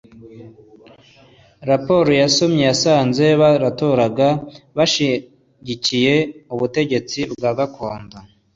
raporo yasomye, yasanze baratoraga bashyigikiye ubutegetsi bwa gakondo,